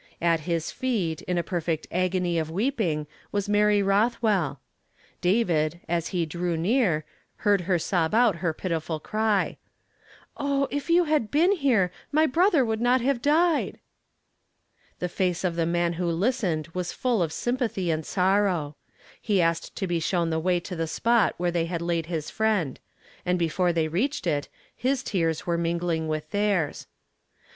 At his feet, in a perfecit agony of wjeping, was Mary Uothwell. David, as he drew near, heard her sob ont her ])itifnl erv :■'' Oh, if you had been here, my brother would not have died !" The face of the man who listened was full of sympathy and sorrow. He asked to be shown the way to the spot where they had laid his friend; and before they reached it, his tears were mingliiiir with theii s.